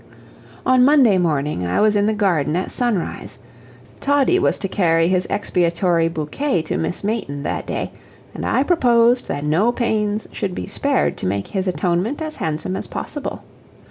On Monday morning I was in the garden at sunrise. Toddie was to carry his expiatory bouquet to Miss Mayton that day, and I proposed that no pains should be spared to make his atonement as handsome as possible.